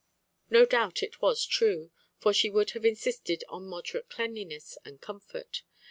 No doubt it was true, for she would have insisted on moderate cleanliness and comfort.